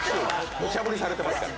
むちゃぶりされていますから。